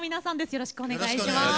よろしくお願いします。